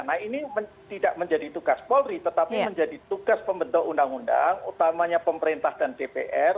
nah ini tidak menjadi tugas polri tetapi menjadi tugas pembentuk undang undang utamanya pemerintah dan dpr